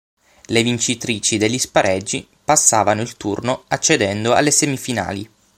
Le vincitrici degli spareggi passavano il turno accedendo alle semifinali.